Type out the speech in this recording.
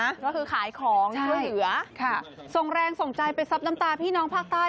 ก็คือขายของช่วยเหลือค่ะส่งแรงส่งใจไปซับน้ำตาพี่น้องภาคใต้